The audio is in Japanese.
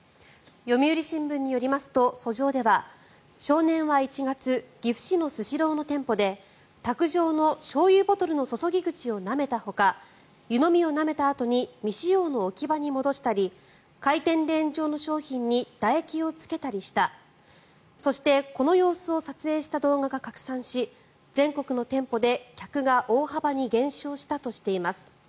読売新聞によりますと訴状では少年は１月岐阜市のスシローの店舗で卓上のしょうゆボトルの注ぎ口をなめたほか湯飲みをなめたあとに未使用の置き場に戻したり回転レーン上の商品にだ液をつけたりしたそしてこの様子を撮影した動画が拡散し全国の店舗で、客が大幅に減少したとしています。